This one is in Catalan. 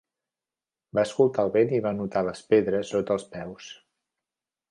Va escoltar el vent i va notar les pedres sota els peus.